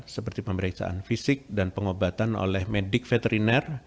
seperti pemeriksaan fisik dan pengobatan oleh medik veteriner